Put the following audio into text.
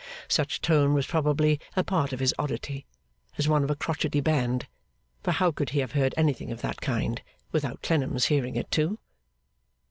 Such tone was probably a part of his oddity, as one of a crotchety band; for how could he have heard anything of that kind, without Clennam's hearing it too?